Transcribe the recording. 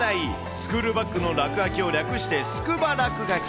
スクールバッグの落書きを略してスクバ落書き。